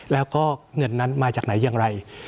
แล้วก็เงินนั้นมาจากไหนอย่างไร